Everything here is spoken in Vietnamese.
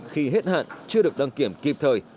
khi hết hạn chưa được đăng kiểm kịp thời